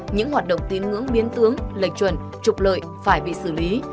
những hoạt động tín ngưỡng biến tướng lệch chuẩn trục lợi phải bị xử lý